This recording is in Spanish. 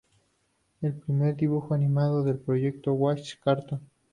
El primer dibujo animado del proyecto "What a Cartoon!